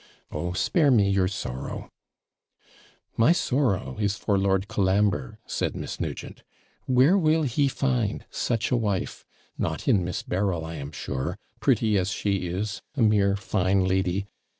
'Oh, spare me your sorrow!' 'My sorrow is for Lord Colambre,' said Miss Nugent. 'Where will he find such a wife? Not in Miss Berryl, I am sure pretty as she is; a mere fine lady!